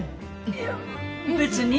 いや別に。